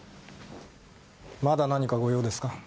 まだ何かご用ですか？